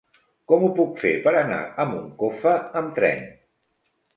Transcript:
Com ho puc fer per anar a Moncofa amb tren?